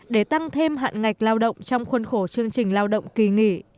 để tăng thêm hạn ngạch lao động trong khuôn khổ chương trình lao động kỳ nghỉ